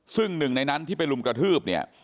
ซึ่งหนึ่งในนั้นที่ไปลุมกระทืบเนี่ย